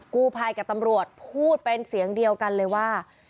กู้ภัยกับตำรวจพูดเป็นเสียงเดียวกันเลยว่า